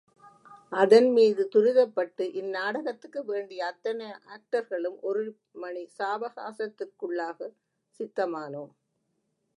அதன்மீது, துரிதப்பட்டு, இந்நாடகத்துக்கு வேண்டிய அத்தனை ஆக்டர்களும் ஒரு மணி சாவகாசத்திற்குள்ளாகச் சித்தமானோம்!